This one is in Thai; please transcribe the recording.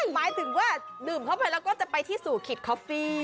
หมายถึงว่าดื่มเข้าไปแล้วก็จะไปที่สู่ขิตคอฟฟี่